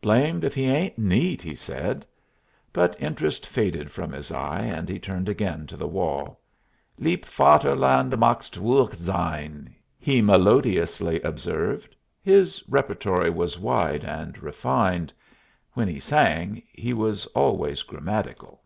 "Blamed if he ain't neat," he said. But interest faded from his eye, and he turned again to the wall. "'Lieb Vaterland magst ruhig sein,'" he melodiously observed. His repertory was wide and refined. When he sang he was always grammatical.